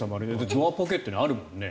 ドアポケットにあるもんね。